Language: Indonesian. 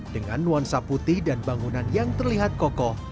dengan nuansa putih dan bangunan yang terlihat kokoh